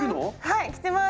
はい着てます！